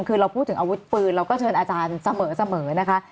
คือเราพูดถึงอาวุธปืนเราก็เชิญอาจารย์เสมอนะคะ